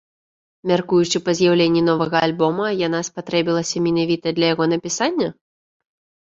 Мяркуючы па з'яўленні новага альбома, яна спатрэбілася менавіта для яго напісання?